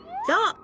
そう！